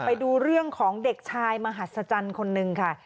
ไปดูเรื่องของเด็กชายมหัศจรรย์คนนึงค่ะ